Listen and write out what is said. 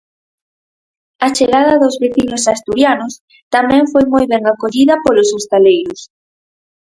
A chegada dos veciños asturianos tamén foi moi ben acollida polos hostaleiros.